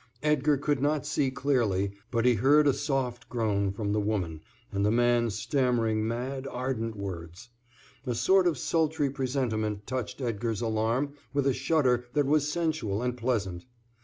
Edgar could not see clearly, but he heard a soft groan from the woman, and the man stammering mad, ardent words. A sort of sultry presentiment touched Edgar's alarm with a shudder that was sensual and pleasant.